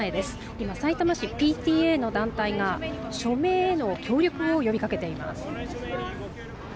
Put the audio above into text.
今、さいたま市ＰＴＡの団体が署名へ協力を呼びかけています。